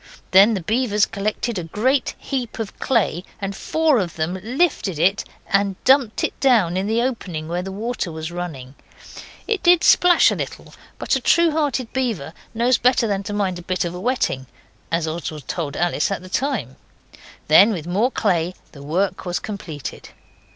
Then the beavers collected a great heap of clay, and four of them lifted it and dumped it down in the opening where the water was running. It did splash a little, but a true hearted beaver knows better than to mind a bit of a wetting, as Oswald told Alice at the time. Then with more clay the work was completed.